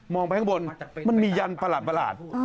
ไปข้างบนมันมียันประหลาด